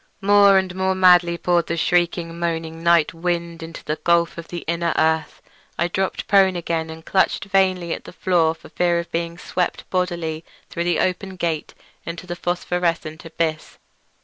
More and more madly poured the shrieking, moaning night wind into that gulf of the inner earth. I dropped prone again and clutched vainly at the floor for fear of being swept bodily through the open gate into the phosphorescent abyss.